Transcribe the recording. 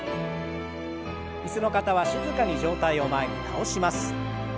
椅子の方は静かに上体を前に倒します。